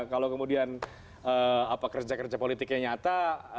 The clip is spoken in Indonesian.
kalau kemudian kerja kerja politiknya nyata